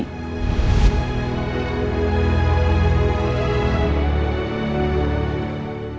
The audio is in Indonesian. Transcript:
kita akan berjuang